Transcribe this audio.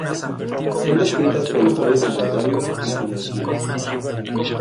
Son descritas por el Código monetario y financiero.